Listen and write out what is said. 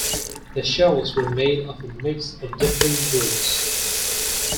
The shells were made of a mix of different woods.